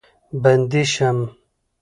بندي شم.